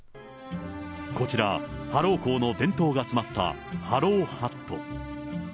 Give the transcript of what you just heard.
こちら、ハロウ校の伝統が詰まったハロウハット。